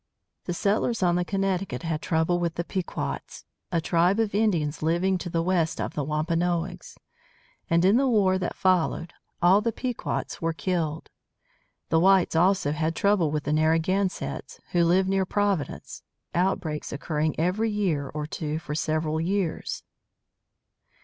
The settlers on the Connecticut had trouble with the Pequots, a tribe of Indians living to the west of the Wampanoags, and in the war that followed, all the Pequots were killed. The whites also had trouble with the Narragansetts, who lived near Providence, outbreaks occurring every year or two for several years.